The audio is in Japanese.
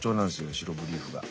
白ブリーフは。